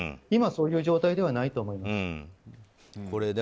今、そういう状態ではないと思います。